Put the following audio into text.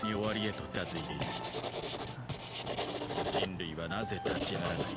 レオン：なぜ立ち上がらない？